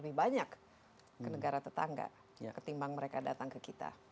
lebih banyak ke negara tetangga ketimbang mereka datang ke kita